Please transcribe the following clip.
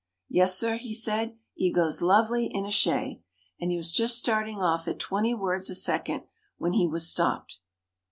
"Yus, sir," he said, "'e goes lovely in a shay," and he was just starting off at twenty words a second, when he was stopped.